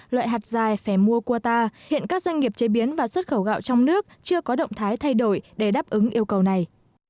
loại hạt dài phải mua qua ta hiện các doanh nghiệp chế biến và xuất khẩu gạo trong nước chưa có động thái thay đổi để đáp ứng yêu cầu này